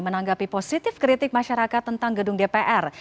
menanggapi positif kritik masyarakat tentang gedung dpr